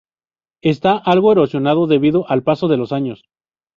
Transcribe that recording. Está algo erosionado debido al paso de los años.